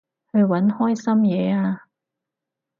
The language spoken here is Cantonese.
去搵開心嘢吖